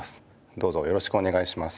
どうぞよろしくおねがいします。